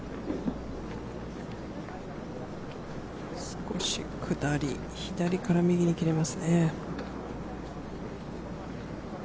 少し下り、左から右に切れますね。